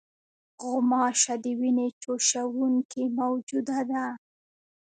غوماشه د وینې چوشوونکې موجوده ده.